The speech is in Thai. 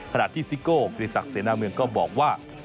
ขณะที่ซิโก้กริษักเซนาเมืองก็บอกว่า